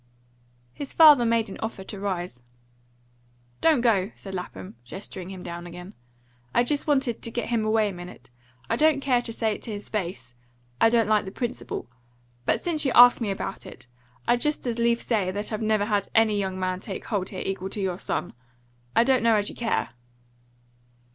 His father made an offer to rise. "Don't go," said Lapham, gesturing him down again. "I just wanted to get him away a minute. I don't care to say it to his face, I don't like the principle, but since you ask me about it, I'd just as lief say that I've never had any young man take hold here equal to your son. I don't know as you care."